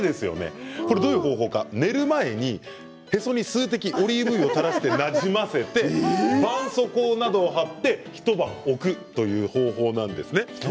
寝る前にへそに数滴オリーブ油を垂らしてなじませてばんそうこうなどを貼って一晩置くという方法なんです。